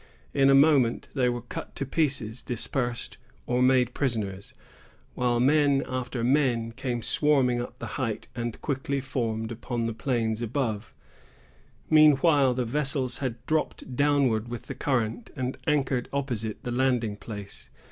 In a moment, they were cut to pieces, dispersed, or made prisoners; while men after men came swarming up the height, and quickly formed upon the plains above. Meanwhile, the vessels had dropped downward with the current, and anchored opposite the landing place.